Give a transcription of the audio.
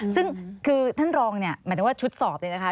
ซึ่งคือท่านรองเนี่ยหมายถึงว่าชุดสอบเนี่ยนะคะ